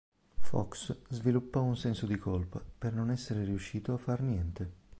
Fox sviluppò un senso di colpa per non essere riuscito a far niente.